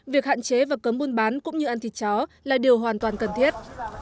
việc hạn chế và cấm buôn bán cũng như ăn thịt chó là điều hoàn toàn cần thiết